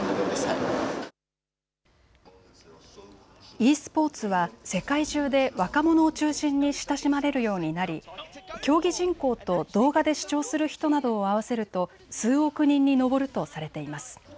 ｅスポーツは世界中で若者を中心に親しまれるようになり競技人口と動画で視聴する人などを合わせると数億人に上るとされています。